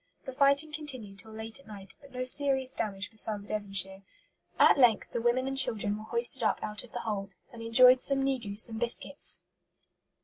The fighting continued till late at night, but no serious damage befell the Devonshire. At length the women and children were hoisted up out of the hold, and "enjoyed some negus and biscuits."